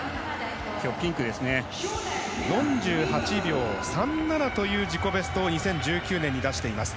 ４８秒３７という自己ベストを２０１９年に出しています。